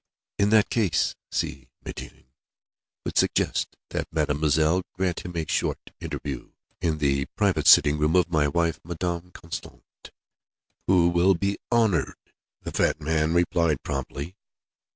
"In that case Si Maïeddine would suggest that Mademoiselle grant him a short interview in the private sitting room of my wife, Madame Constant, who will be honoured," the fat man replied promptly.